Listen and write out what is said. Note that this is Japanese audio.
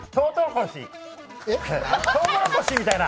とうもろこしみたいな？